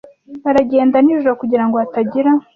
Baragenda nijoro kugirango hatagira